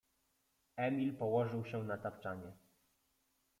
Emil położył się na tapczanie.